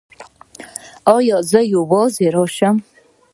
ایا زه یوازې راشم؟